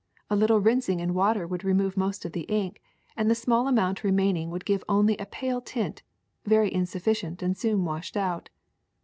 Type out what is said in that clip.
A little rinsing in water would remove most of the ink, and the small amount remaining would give only a pale tint, very insufficient and soon washed out.